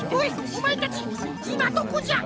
おまえたちいまどこじゃ！？